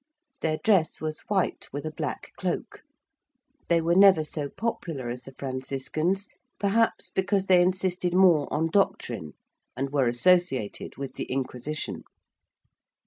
Their dress was white with a black cloak. They were never so popular as the Franciscans perhaps because they insisted more on doctrine, and were associated with the Inquisition.